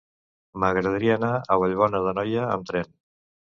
M'agradaria anar a Vallbona d'Anoia amb tren.